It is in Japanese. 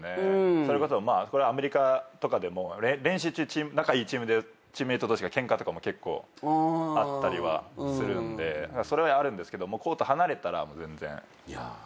それこそアメリカとかでも練習中仲いいチームでチームメート同士がケンカとかも結構あったりはするんでそれはあるんですけどコート離れたら全然みんな仲いい。